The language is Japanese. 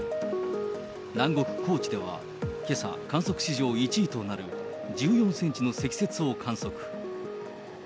南国、高知では、けさ、観測史上１位となる、１４センチの積雪を観測。